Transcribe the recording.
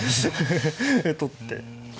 取って。